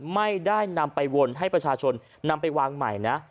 ไม่ได้นำไปวนให้ประชาชนนำไปวางใหม่นะ